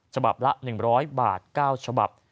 ฉบับละ๑๐๐บาท๙ฉบับ